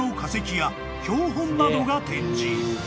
［標本などが展示］